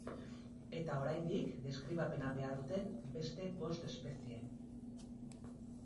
Eta oraindik deskribapena behar duten beste bost espezie.